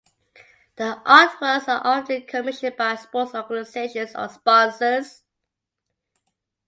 The artworks are often commissioned by sports organisations or sponsors.